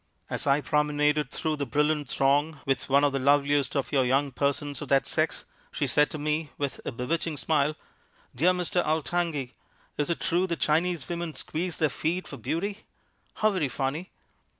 As I promenaded through the brilliant throng with one of the loveliest of your young persons of that sex, she said to me, with a bewitching smile, 'Dear Mr. Altangi, is it true that Chinese women squeeze their feet for beauty? How very funny!'